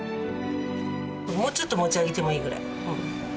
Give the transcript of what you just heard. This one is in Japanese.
もうちょっと持ち上げてもいいぐらい。